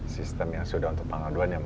sistem yang sudah untuk pengaduan yang